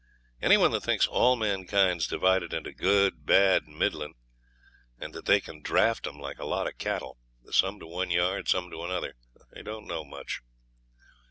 Any one that thinks all mankind's divided into good, bad, and middlin', and that they can draft 'em like a lot of cattle some to one yard, some to another don't know much.